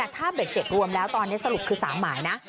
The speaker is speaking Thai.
ถ้าเบ็ดเสร็จรวมแล้วตอนนี้สรุปคือ๓หมายนะ